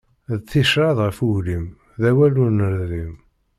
D ticraḍ ɣef uglim, d awal ur nerdim.